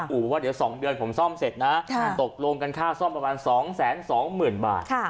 ว่าเดี๋ยว๒เดือนผมซ่อมเสร็จนะตกลงกันค่าซ่อมประมาณ๒๒๐๐๐บาท